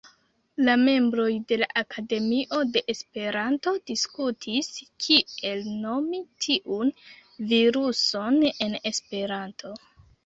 La membroj de la Akademio de Esperanto diskutis, kiel nomi tiun viruson en Esperanto.